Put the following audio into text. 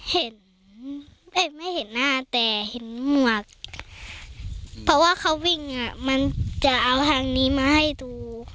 เห็นแต่ไม่เห็นหน้าแต่เห็นหมวกเพราะว่าเขาวิ่งอ่ะมันจะเอาทางนี้มาให้ดู